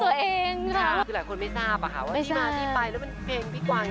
คือหลายคนไม่ทราบอ่ะค่ะว่าที่มาที่ไปแล้วมันเป็นเพลงพี่กวางยังไงบ้างยังเป็นเพลง